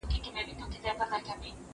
د مطالعې کلتور په ټولنه کي بدلون راولي.